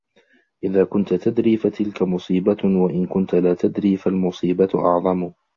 إذا كنت تدري فتلك مصيبة وإن كنت لا تدري فالمصيبة أعظم